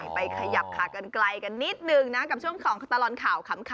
ไปขยับขากันไกลกันนิดนึงนะกับช่วงของตลอดข่าวขำ